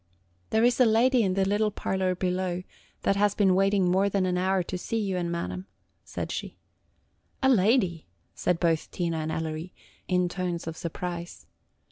"There is a lady in the little parlor below that has been waiting more than an hour to see you and madam," she said. "A lady!" said both Tina and Ellery, in tones of surprise.